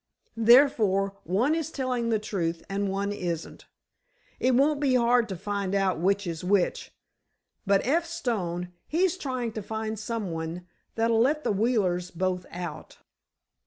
Therefore, one is telling the truth and one isn't. It won't be hard to find out which is which, but F. Stone, he's trying to find some one that'll let the Wheelers both out."